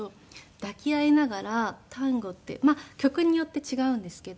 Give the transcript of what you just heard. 抱き合いながらタンゴってまあ曲によって違うんですけど。